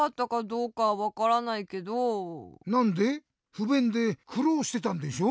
ふべんでくろうしてたんでしょ？